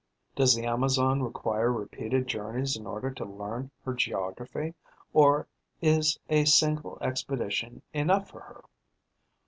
Does the Amazon require repeated journeys in order to learn her geography, or is a single expedition enough for her?